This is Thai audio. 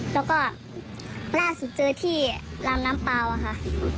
แล้วก็ล่าสุดเจอที่รามน้ำเปล่าค่ะ